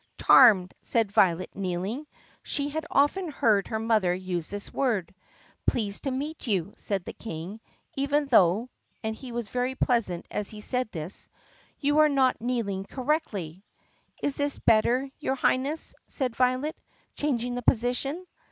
"Charmed," said Violet kneeling. She had often heard her mother use this word. "Pleased to meet you," said the King, "even though" — and he was very pleasant as he said this — "you are not kneeling correctly." "Is this better, your Highness*?" said Violet changing the position.